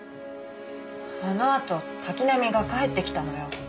あのあと滝浪が帰ってきたのよ。